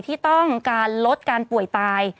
ที่ต้องการลดการป่วยตาย